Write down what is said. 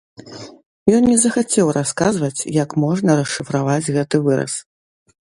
Ён не захацеў расказваць, як можна расшыфраваць гэты выраз.